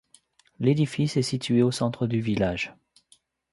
L'édifice est situé au centre du village.